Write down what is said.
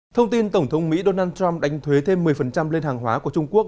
thông tin tổng thống mỹ donald trump đánh thuế thêm một mươi lên hàng hóa của trung quốc